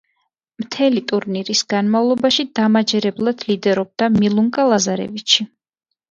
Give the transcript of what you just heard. მთელი ტურნირის განმავლობაში დამაჯერებლად ლიდერობდა მილუნკა ლაზარევიჩი.